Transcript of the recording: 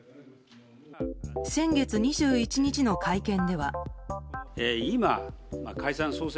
先月２１日の会見では。